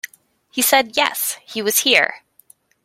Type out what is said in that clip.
He said, yes, he was here.